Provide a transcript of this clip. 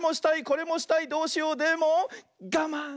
これもしたいどうしようでもがまん！